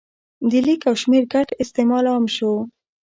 د لیک او شمېر ګډ استعمال عام شو.